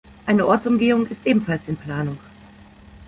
Eine Ortsumgehung ist ebenfalls in Planung.